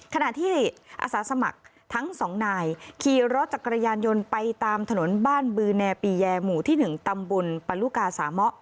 ขณะที่อาสาสมัครทั้งสองนายขี่รถจักรยานยนต์ไปตามถนนบ้านบือแนปีแยหมู่ที่๑ตำบลปะลุกาสามะ